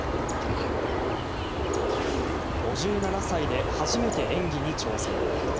５７歳で初めて演技に挑戦。